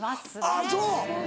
あぁそう！